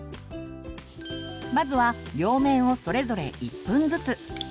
まずは両面をそれぞれ１分ずつ。